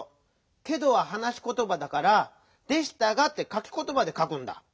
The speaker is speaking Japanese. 「けど」ははなしことばだから「でしたが」ってかきことばでかくんだ。